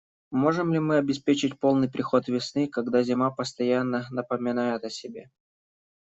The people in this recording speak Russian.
Можем ли мы обеспечить полный приход весны, когда зима постоянно напоминает о себе?